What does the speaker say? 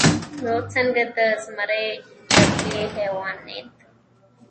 نو څنګه د ازمري جبلي حېوانيت